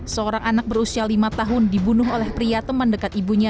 seorang anak berusia lima tahun dibunuh oleh pria teman dekat ibunya